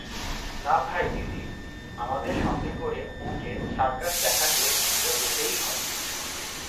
না ভাই দিদি, আমাদের সঙ্গে করে ওঁকে সার্কাস দেখাতে নিয়ে যেতেই হবে।